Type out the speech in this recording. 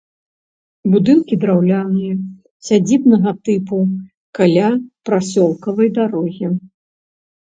Будынкі драўляныя, сядзібнага тыпу, каля прасёлкавай дарогі.